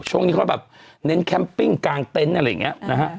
ช่วงนี้เขาแบบเน้นแคมปิ้งกลางเต็นต์อะไรอย่างนี้นะฮะ